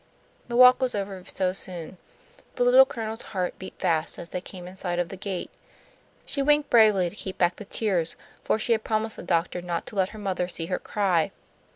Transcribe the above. The walk was over so soon. The Little Colonel's heart beat fast as they came in sight of the gate. She winked bravely to keep back the tears; for she had promised the doctor not to let her mother see her cry.